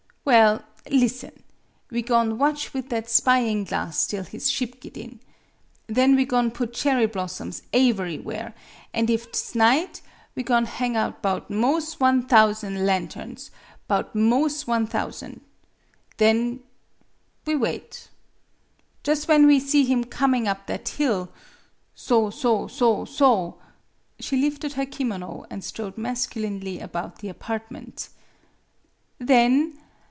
Well, listen! We go'n' watch with that spying glasstill his ship git in. Then we go'n' put cherry blossoms aevery where; an' if 't is night, we go'n' hang up 'bout 'mos' one thousan' lanterns 'bout 'mos' one thousan'! Then 24 MADAME BUTTERFLY we wait. Jus' when we see him coming up that hill so so so so," she lifted her kimono, and strode masculinely about the apartment, "then!